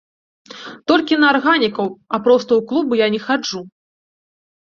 Толькі на арганікаў, а проста ў клубы я не хаджу.